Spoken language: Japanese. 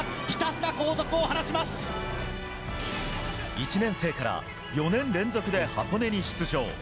１年生から４年連続で箱根に出場。